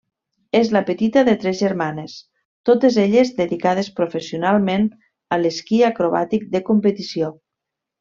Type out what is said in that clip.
És la petita de tres germanes, totes elles dedicades professionalment a l'esquí acrobàtic de competició.